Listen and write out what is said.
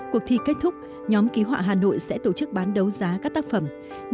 cuộc thi kết thúc nhóm ký họa hà nội sẽ tổ chức bán đấu giá các tác phẩm